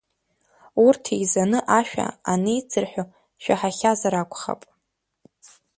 Урҭ еизаны ашәа анеицырҳәо шәаҳахьазар акәхап.